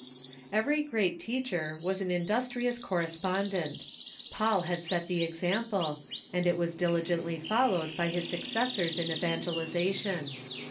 Every great teacher was an industrious correspondent. Paul had set the example, and it was diligently followed by his successors in evangelization.